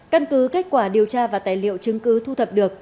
căn cứ kết quả điều tra và tài liệu chứng cứ thu thập được